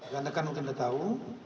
karena kan mungkin anda tahu